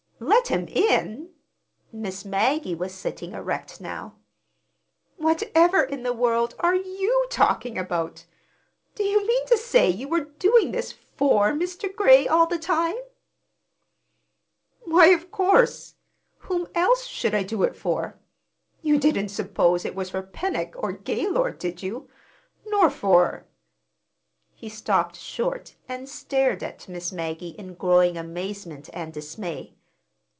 "Let him in!" Miss Maggie was sitting erect now. "Whatever in the world are you talking about? Do you mean to say you were doing this for Mr. Gray, all the time?" "Why, of course! Whom else should I do it for? You didn't suppose it was for Pennock or Gaylord, did you? Nor for—" He stopped short and stared at Miss Maggie in growing amazement and dismay.